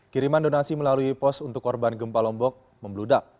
kiriman donasi melalui pos untuk korban gempa lombok membludak